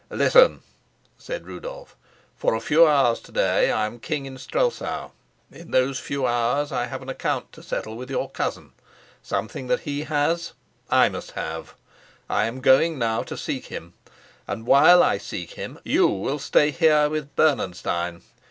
"Listen," said Rudolf. "For a few hours to day I am king in Strelsau. In those few hours I have an account to settle with your cousin: something that he has, I must have. I'm going now to seek him, and while I seek him you will stay here with Bernenstein.